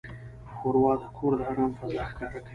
ښوروا د کور د آرام فضا ښکاره کوي.